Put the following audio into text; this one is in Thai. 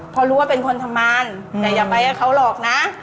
พอรู้ว่าเป็นคนทำมาลจะอย่าไปเยอะเขาหลอก